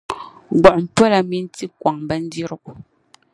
Gbuɣim’ pola min ti kɔŋ bindirigu.